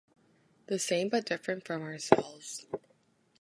The same but different from ourselves.